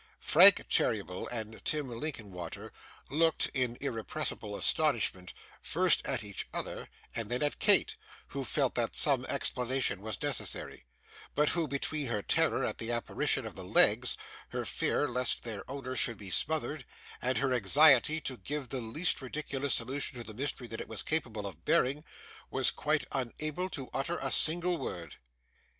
Frank Cheeryble and Tim Linkinwater looked, in irrepressible astonishment, first at each other and then at Kate, who felt that some explanation was necessary, but who, between her terror at the apparition of the legs, her fear lest their owner should be smothered, and her anxiety to give the least ridiculous solution of the mystery that it was capable of bearing, was quite unable to utter a single word.